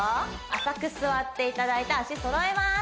浅く座っていただいて足そろえます